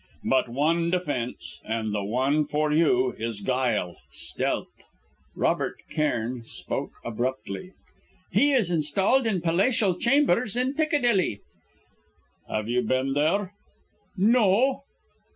But one defence, and the one for you, is guile stealth!" Robert Cairn spoke abruptly. "He is installed in palatial chambers in Piccadilly." "Have you been there?" "No."